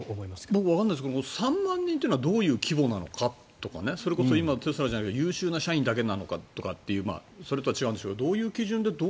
僕わからないですけど３万人というのはどういう規模なのかとかそれこそ今、テスラじゃないけど優秀な社員だけなのかっていうそれとは違うんでしょうけどどういう基準で。